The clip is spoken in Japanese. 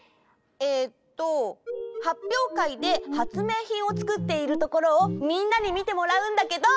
えっとはっぴょうかいで発明品をつくっているところをみんなに見てもらうんだけど。